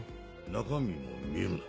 「中身も見るな」